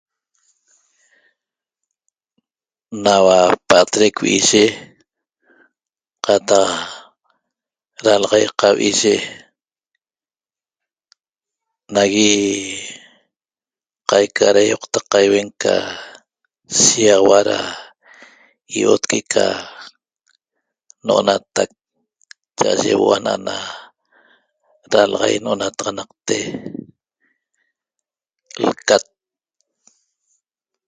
Naua pa'atrec vi'iyi qataq dalaxaiqa vi'iyi nagui qaica da ýoqta qaiuen ca shiýaxaua da iot que'eca n'onatac cha'aye huo'o ana'ana dalaxai n'onataxanaqte lcat